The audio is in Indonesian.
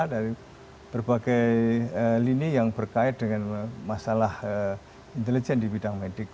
dari berbagai lini yang berkait dengan masalah intelijen di bidang medik